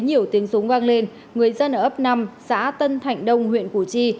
nhiều tiếng súng vang lên người dân ở ấp năm xã tân thạnh đông huyện củ chi